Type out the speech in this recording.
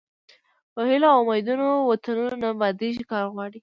په هیلو او امیدونو وطنونه نه ابادیږي کار غواړي.